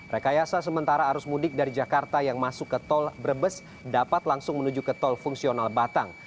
rekayasa sementara arus mudik dari jakarta yang masuk ke tol brebes dapat langsung menuju ke tol fungsional batang